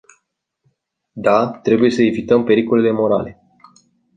Da, trebuie să evităm pericolele morale.